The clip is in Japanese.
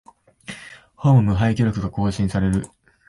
ホーム無敗記録が更新される